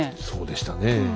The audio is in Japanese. そうでしたねえ。